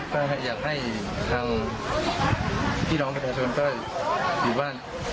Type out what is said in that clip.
ก็อยากให้ที่น้องกระทะสกันต้อยอยู่บ้าน